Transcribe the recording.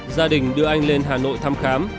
gia đình đưa anh lên hà nội thăm khám